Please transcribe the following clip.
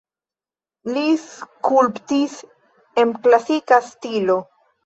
Li skulptis en klasika stilo.